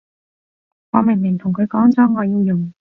我明明同佢講咗我要用